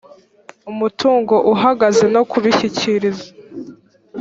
umutungo uhagaze no kubishyikiriza